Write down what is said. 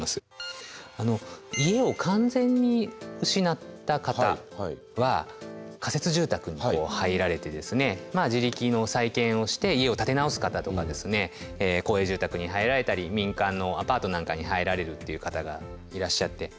家を完全に失った方は仮設住宅に入られて自力の再建をして家を建て直す方とか公営住宅に入られたり民間のアパートなんかに入られるっていう方がいらっしゃって。